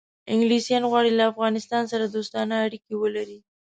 انګلیسان غواړي له افغانستان سره دوستانه اړیکې ولري.